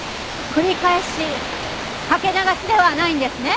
繰り返しかけ流しではないんですね？